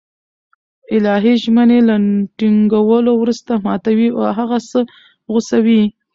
الهي ژمني له ټينگولو وروسته ماتوي او هغه څه غوڅوي